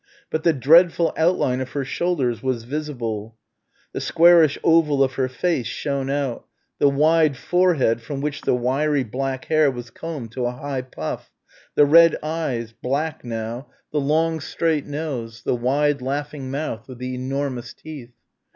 But the dreadful outline of her shoulders was visible, the squarish oval of her face shone out the wide forehead from which the wiry black hair was combed to a high puff, the red eyes, black now, the long straight nose, the wide laughing mouth with the enormous teeth.